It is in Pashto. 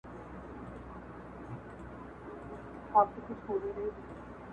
چي سترگو ته يې گورم، وای غزل لیکي.